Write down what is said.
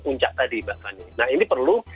puncak tadi mbak fani nah ini perlu